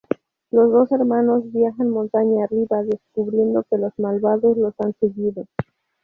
Los dos hermanos viajan montaña arriba, descubriendo que los malvados los han seguido.